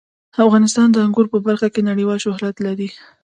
افغانستان د انګور په برخه کې نړیوال شهرت لري.